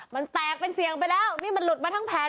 มันแตกเป็นเสี่ยงไปแล้วนี่มันหลุดมาทั้งแผล